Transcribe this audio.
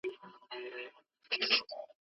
که موخي یاداښت نه کړې نو کېدای سي له یاده دي ووځي.